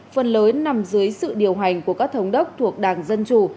phần lớn nằm dưới sự điều hành của các thống đốc thuộc đảng dân chủ